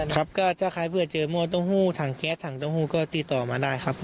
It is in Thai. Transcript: ครับก็ถ้าใครเผื่อเจอหม้อเต้าหู้ถังแก๊สถังเต้าหู้ก็ติดต่อมาได้ครับ